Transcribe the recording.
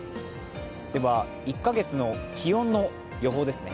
では、１か月の気温の予報ですね。